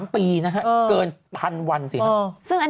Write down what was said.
๓ปีเกิน๑๐๐๐วันซิเนาะ